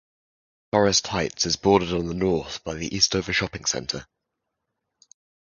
Forest Heights is bordered on the north by the Eastover Shopping Center.